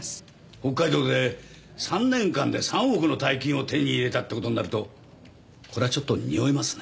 北海道で３年間で３億の大金を手に入れたって事になるとこれはちょっとにおいますね。